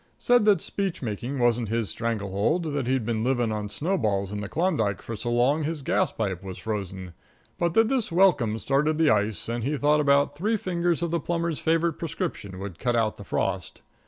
Said that speechmaking wasn't his strangle hold; that he'd been living on snowballs in the Klondike for so long that his gas pipe was frozen; but that this welcome started the ice and he thought about three fingers of the plumber's favorite prescription would cut out the frost.